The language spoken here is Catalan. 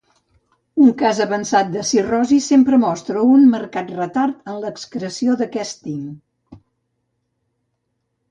Un cas avançat de cirrosi sempre mostra un marcat retard en l'excreció d'aquest tint.